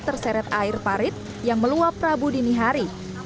terseret air parit yang meluap rabu dinihari